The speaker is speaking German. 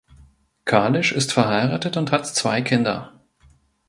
Kalisch ist verheiratet und hat zwei Kinder.